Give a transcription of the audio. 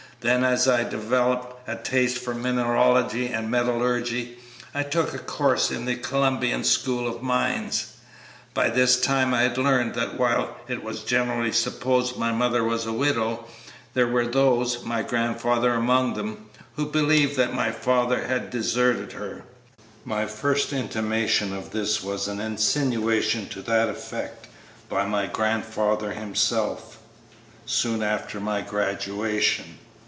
Then, as I developed a taste for mineralogy and metallurgy, I took a course in the Columbian School of Mines. By this time I had learned that while it was generally supposed my mother was a widow, there were those, my grandfather among them, who believed that my father had deserted her. My first intimation of this was an insinuation to that effect by my grandfather himself, soon after my graduation.